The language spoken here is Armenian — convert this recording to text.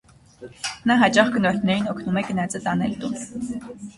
Նա հաճախ գնորդներին օգնում է գնածը տանել տուն։